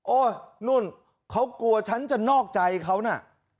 นู่นเขากลัวฉันจะนอกใจเขาน่ะ